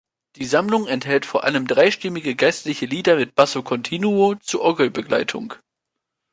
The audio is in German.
Die Sammlung enthält vor allem dreistimmige geistliche Lieder mit basso continuo zur Orgelbegleitung.